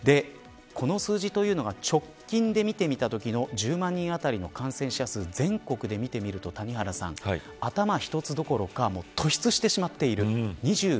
この数字というのが直近で見てみたときの１０万人あたりの感染者数全国で見てみると、谷原さん頭一つどころか突出してしまっている。